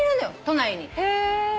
都内に。